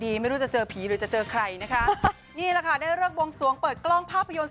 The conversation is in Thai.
ไม่รู้จะเจอผีหรือจะเจอใครนะคะนี่แหละค่ะได้เลิกบวงสวงเปิดกล้องภาพยนตร์